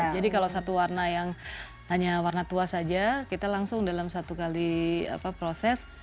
jadi kalau satu warna yang hanya warna tua saja kita langsung dalam satu kali proses